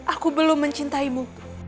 aku belum mencintaimu